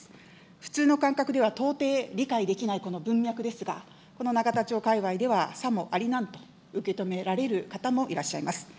普通の感覚では到底理解できないこの文脈ですが、この永田町界わいでは、さもありなんと受け止められる方もいらっしゃいます。